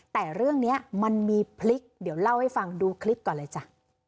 แต่เรื่องนี้มันมีพลิกเดี๋ยวเล่าให้ฟังดูคลิปก่อนเลยจ้ะ